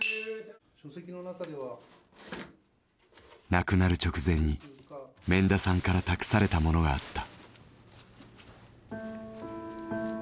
亡くなる直前に免田さんから託されたものがあった。